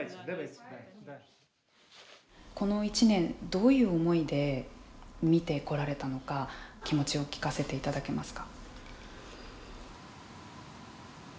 この１年、どういう思いで見てこられたのか気持ちを聞かせていただけますか。